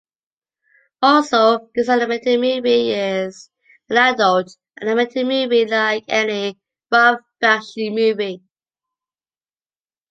Also, this animated movie is an adult animated movie like any Ralph Bakshi movie.